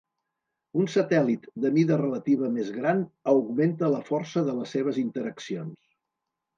Un satèl·lit de mida relativa més gran augmenta la força de les seves interaccions.